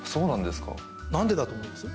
なんでだと思います？